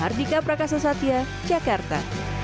hardika prakasa satya jakarta